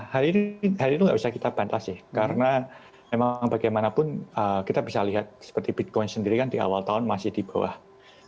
hari ini tidak bisa kita pantas sih karena memang bagaimanapun kita bisa lihat seperti bitcoin sendiri kan di awal tahun masih di bawah lima puluh juta